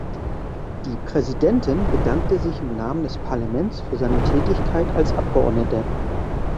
Die Präsidentin bedankte sich im Namen des Parlaments für seine Tätigkeit als Abgeordneter.